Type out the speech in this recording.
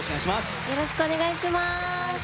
よろしくお願いします。